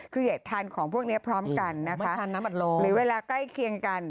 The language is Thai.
เครียดทานของพวกนี้พร้อมกันหรือเวลาใกล้เคียงกัน